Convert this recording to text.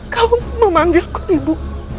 kau memanggilku ibu